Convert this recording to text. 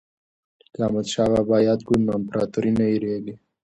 که احمد شاه بابا یاد کړو نو امپراتوري نه هیریږي.